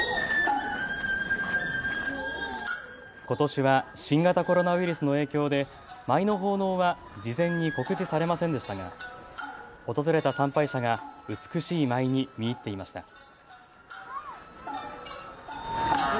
ことしは新型コロナウイルスの影響で舞の奉納は事前に告知されませんでしたが、訪れた参拝者が美しい舞に見入っていました。